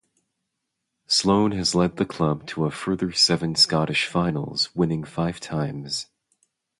Sloan has led the club to a further seven Scottish finals, winning five times.